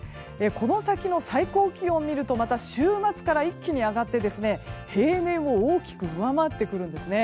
この先の最高気温を見るとまた週末から一気に上がって平年を大きく上回ってくるんですね。